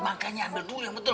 makanya ambil dulu yang betul